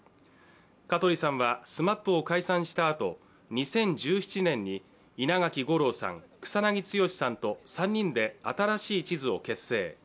香取さんはＳＭＡＰを解散したあと２０１７年に稲垣吾郎さん、草なぎ剛さんと３人で新しい地図を結成。